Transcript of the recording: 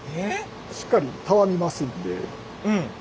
しっかりたわみますんで。